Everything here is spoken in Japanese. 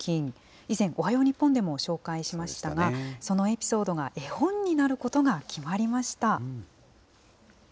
以前、おはよう日本でも紹介しましたが、そのエピソードが絵本になることが決まりました。